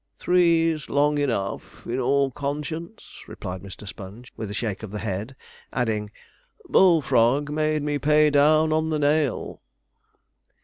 'Three's long enough, in all conscience,' replied Mr. Sponge, with a shake of the head, adding, 'Bullfrog made me pay down on the nail.'